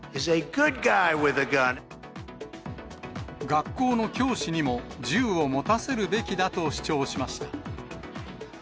学校の教師にも銃を持たせるべきだと主張しました。